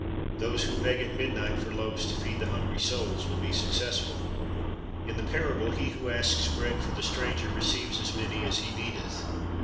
Those who beg at midnight for loaves to feed the hungry souls will be successful. In the parable, he who asks bread for the stranger, receives "as many as he needeth."